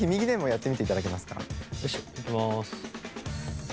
いきます。